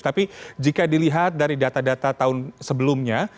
tapi jika dilihat dari data data tahun sebelumnya